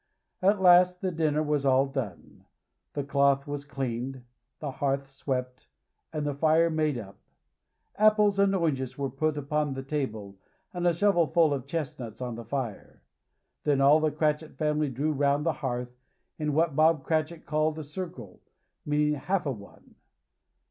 At last the dinner was all done, the cloth was cleared, the hearth swept, and the fire made up. Apples and oranges were put upon the table and a shovelful of chestnuts on the fire. Then all the Cratchit family drew round the hearth, in what Bob Cratchit called a circle, meaning half a one.